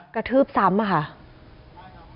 กระทืบซ้ำอะค่ะ